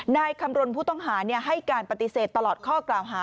นายคำรณผู้ต้องหาให้การปฏิเสธตลอดข้อกล่าวหา